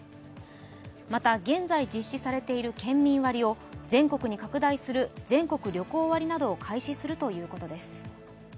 また、現在実施されている県民割を全国に拡大する全国旅行割などを開始するということです。